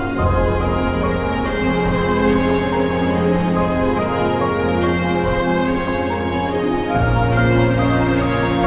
kita doakan sama sama